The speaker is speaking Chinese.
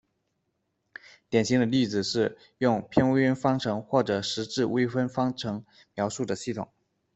典型的例子是用偏微分方程或是时滞微分方程描述的系统。